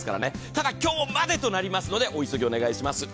ただ今日までとなりますのでお急ぎをお願いします。